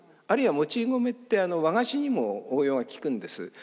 あるいはもち米って和菓子にも応用が利くんです。